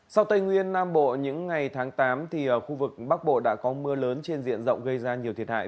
sau tây nguyên nam bộ những ngày tháng tám khu vực bắc bộ đã có mưa lớn trên diện rộng gây ra nhiều thiệt hại